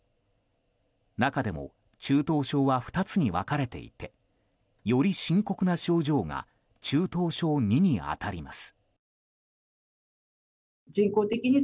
中でも中等症は２つに分かれていてより深刻な症状が中等症２に当たります。